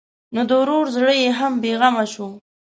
نو د ورور زړه یې هم بېغمه شو.